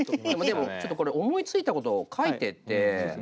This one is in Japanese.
でもちょっとこれ思いついたことを書いてって。